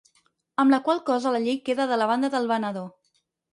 Amb la qual cosa la llei queda de la banda del venedor.